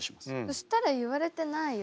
そしたら言われてないよ。